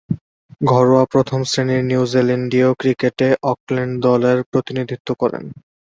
ঘরোয়া প্রথম-শ্রেণীর নিউজিল্যান্ডীয় ক্রিকেটে অকল্যান্ড দলের প্রতিনিধিত্ব করেন।